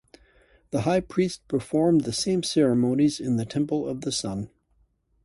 The High Priest performed the same ceremonies in the temple of the sun.